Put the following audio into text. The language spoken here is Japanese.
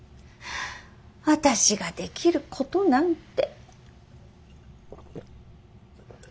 私ができることなんて。